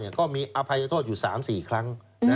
ในช่วง๕๐๑๙ก็มีอภัยโทษอยู่๓๔ครั้ง